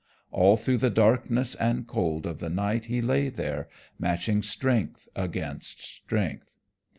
All through the darkness and cold of the night he lay there, matching strength against strength.